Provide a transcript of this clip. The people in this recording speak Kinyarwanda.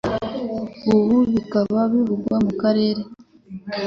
ubu bikaba bivugwa mu karere